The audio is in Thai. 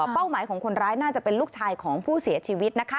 หมายของคนร้ายน่าจะเป็นลูกชายของผู้เสียชีวิต